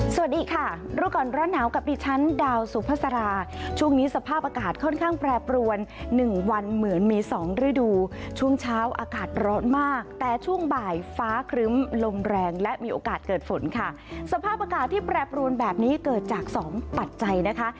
สวัสดีค่ะรู้ก่อนร้อนหนาวกับดิฉันดาวสุภาษาช่วงนี้สภาพอากาศค่อนข้างแปรปรวนหนึ่งวันเหมือนมีสองฤดูช่วงเช้าอากาศร้อนมากแต่ช่วงบ่ายฟ้าครึ้มลมแรงและมีโอกาสเกิดฝนค่ะสภาพอากาศที่แปรปรวนแบบนี้เกิดจากสองปัจจัยนะคะ